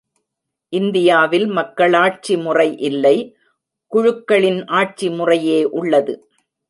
இந்தியாவில் மக்களாட்சி முறை இல்லை குழுக்களின் ஆட்சிமுறையே உள்ளது.